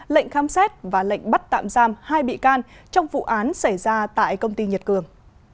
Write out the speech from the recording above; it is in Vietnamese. lệnh khám xét và lệnh bắt tạm giam hai bị can trong vụ án xảy ra tại công ty nhật cường